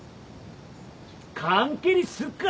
缶蹴りすっか！